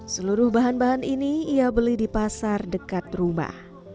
seluruh bahan bahan ini ia beli di pasar dekat rumah